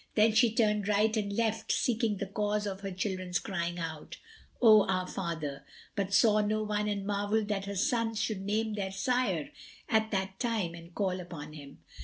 [FN#168] Then she turned right and left, seeking the cause of her children's crying out, "O our father!" but saw no one and marvelled that her sons should name their sire at that time and call upon him.